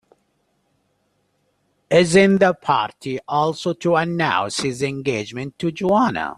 Isn't the party also to announce his engagement to Joanna?